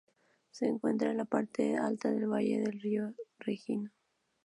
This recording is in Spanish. Se encuentra en la parte alta del valle del río Regino.